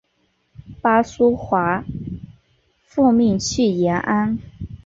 巴苏华奉命去延安。